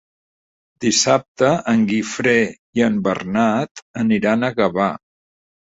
Dissabte en Guifré i en Bernat aniran a Gavà.